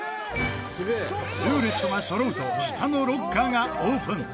ルーレットがそろうと下のロッカーがオープン